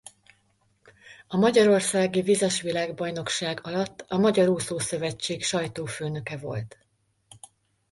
A magyarországi vizes világbajnokság alatt a Magyar Úszó Szövetség sajtófőnöke volt.